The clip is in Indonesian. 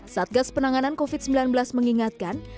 satgas penanganan covid sembilan belas mengingatkan